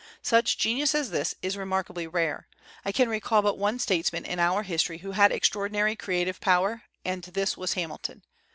Such genius as this is remarkably rare, I can recall but one statesman in our history who had extraordinary creative power, and this was Hamilton.